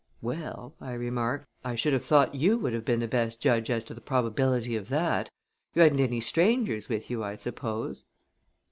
"Well," I remarked, "I should have thought you would have been the best judge as to the probability of that. You hadn't any strangers with you, I suppose?"